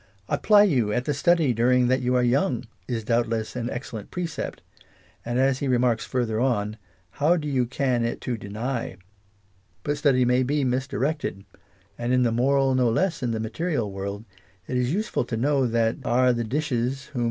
"Apply you at the study during that you are young" is doubtless an excellent precept, and as he re marks further on "How do you can it to deny "; but study may be misdirected, and in the moral, no less than in the material world, it is useful to know " That are the dishes whom Introduction.